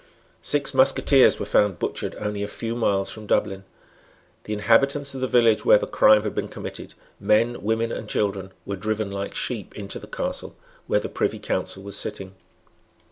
Six musketeers were found butchered only a few miles from Dublin. The inhabitants of the village where the crime had been committed, men, women, and children, were driven like sheep into the Castle, where the Privy Council was sitting.